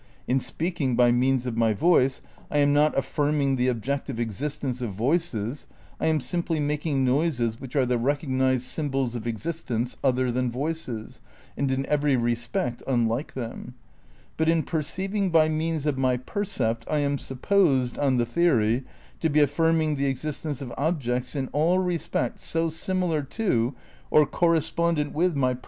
In speaking by means of my voice I am not affirming the objective existence of voices, I am simply making noises which are the recognised symbols of existents other than voices, and in every respect unlike them. But in per ceiving by means of my percept I am supposed, on the theory, to be affirming the existence of objects in all respects so similar to or correspondent with my per ^ The Possilility of Knowledge (JEssays im, Critical Sealigm), p.